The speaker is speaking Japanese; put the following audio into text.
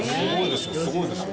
すごいですよ